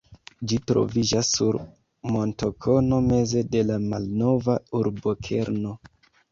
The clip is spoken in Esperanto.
Ĝi troviĝas sur montokono meze de la malnova urbokerno.